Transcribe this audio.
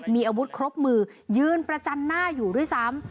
มีอาวุธครบมือยืนประจันหน้าอยู่ด้วยซ้ำ